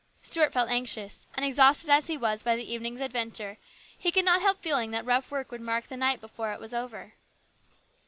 Stuart felt anxious ; and exhausted as he was by the evening's adventure, he could not help feeling that rough work would mark the night before it was over.